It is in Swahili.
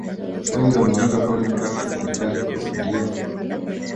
wengi wameuliza kweli mpaka sasa serikali iko ndiyo